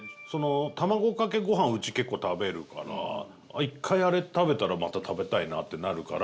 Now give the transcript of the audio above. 卵かけご飯、うち結構食べるから１回あれ食べたらまた食べたいなってなるから。